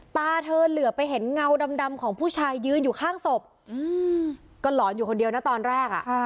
ตาเธอเหลือไปเห็นเงาดำของผู้ชายยืนอยู่ข้างศพก็หลอนอยู่คนเดียวนะตอนแรกอ่ะ